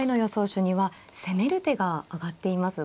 手には攻める手が挙がっています。